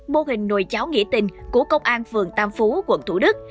mô hình nồi cháo nghĩa tình của công an phường tam phú quận thủ đức